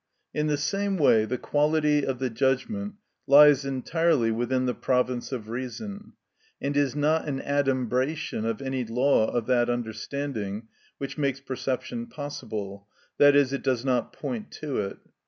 In the same way the Quality of the judgment lies entirely within the province of reason, and is not an adumbration of any law of that understanding which makes perception possible, i.e., it does not point to it.